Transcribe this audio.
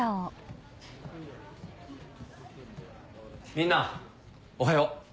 みんなおはよう。